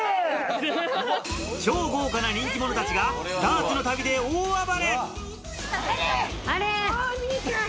超豪華な人気者たちがダーツの旅で大暴れ。